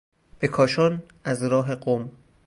به کاشان از راه قم